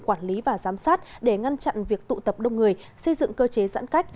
quản lý và giám sát để ngăn chặn việc tụ tập đông người xây dựng cơ chế giãn cách